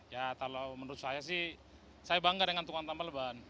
ya kalau menurut saya sih saya bangga dengan tukang tambal ban